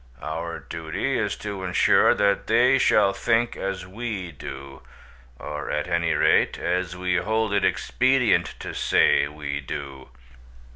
Our duty is to ensure that they shall think as we do, or at any rate, as we hold it expedient to say we do."